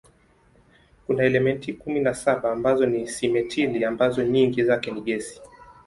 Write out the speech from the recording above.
Kuna elementi kumi na saba ambazo ni simetili ambazo nyingi zake ni gesi.